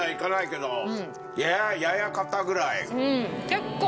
結構。